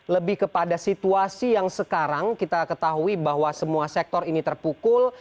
lebih kepada situasi yang sekarang kita ketahui bahwa semua sektor ini terpukul